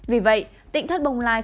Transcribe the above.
vì vậy tỉnh thất bồng lai